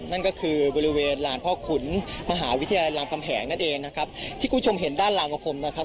นั่นก็คือบริเวณลานพ่อขุนมหาวิทยาลัยรามคำแหงนั่นเองนะครับที่คุณผู้ชมเห็นด้านหลังของผมนะครับ